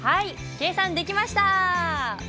計算できました！